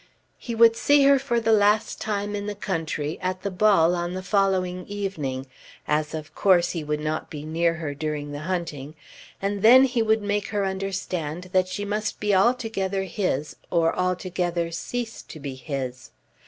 He would see her for the last time in the country at the ball on the following evening, as of course he would not be near her during the hunting, and then he would make her understand that she must be altogether his or altogether cease to be his.